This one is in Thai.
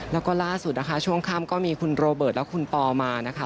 แล้วก็ล่าสุดนะคะช่วงค่ำก็มีคุณโรเบิร์ตและคุณปอมานะคะ